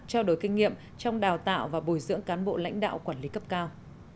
trao đổi kinh nghiệm trong đào tạo và bồi dưỡng cán bộ lãnh đạo quản lý cấp cao